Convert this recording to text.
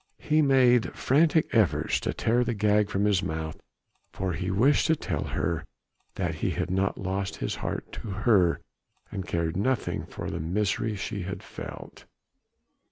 He made frantic efforts to tear the gag from his mouth, for he wished to tell her that he had not lost his heart to her and cared nothing for the misery which she felt.